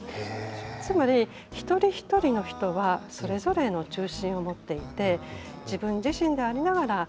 つまり一人一人の人はそれぞれの中心を持っていて自分自身でありながら共に生きていく。